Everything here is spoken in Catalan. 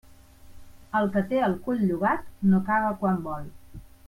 El que té el cul llogat no caga quan vol.